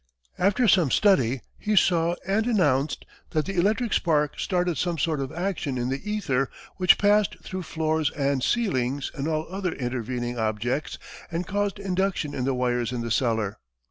After some study, he saw and announced that the electric spark started some sort of action in the ether, which passed through floors and ceilings and all other intervening objects, and caused induction in the wires in the cellar.